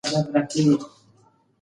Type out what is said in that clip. د ماشوم غوږونه مه پاکوئ ژور.